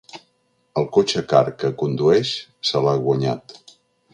El cotxe car que condueix se l’ha guanyat.